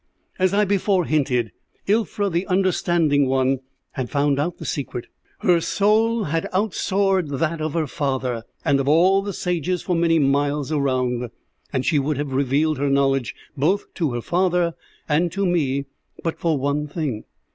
"As I before hinted, 'Ilfra the Understanding One' had found out the secret; her soul had outsoared that of her father and of all the sages for many miles around, and she would have revealed her knowledge both to her father and to me, but for one thing.